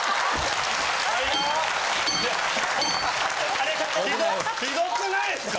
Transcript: あれひどくないですか？